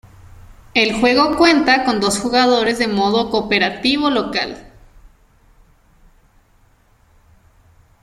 El juego cuenta con dos jugadores de modo cooperativo local.